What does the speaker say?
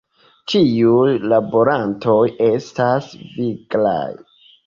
Ĉiuj laborantoj estas viglaj.